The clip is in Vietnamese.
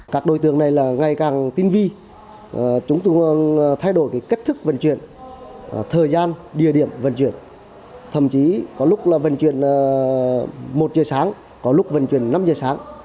các đối tượng này là ngày càng tinh vi chúng tôi thay đổi cách thức vận chuyển thời gian địa điểm vận chuyển thậm chí có lúc là vận chuyển một giờ sáng có lúc vận chuyển năm giờ sáng